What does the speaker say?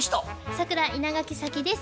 桜稲垣早希です。